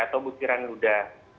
atau bukiran ludah